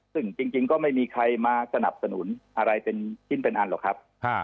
ซึ่งจริงก็ไม่มีใครมาสนับสนุนอะไรเป็นชิ้นเป็นอันหรอกครับ